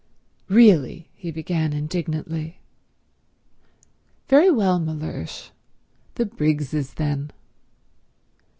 "Really—" he began indignantly. "Very well, Mellersh—the Briggses, then."